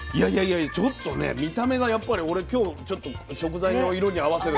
ちょっとね見た目がやっぱり俺今日ちょっと食材の色に合わせる。